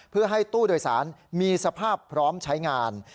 เพื่อให้ตู้โดยสารมีสภาพพร้อมใช้งาน